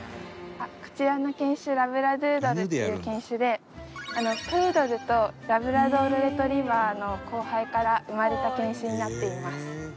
こちらの犬種ラブラドゥードルっていう犬種でプードルとラブラドール・レトリーバーの交配から生まれた犬種になっています。